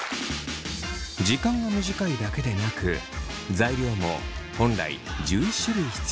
時間が短いだけでなく材料も本来１１種類必要なところを６種類に。